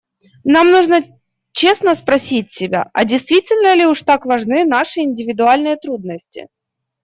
Нам нужно честно спросить себя, а действительно ли уж так важны наши индивидуальные трудности.